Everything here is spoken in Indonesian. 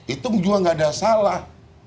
itu juga nggak ada salah